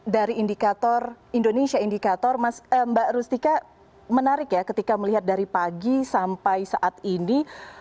dari indikator indonesia indikator mbak rustika menarik ya ketika melihat dari pagi sampai saat ini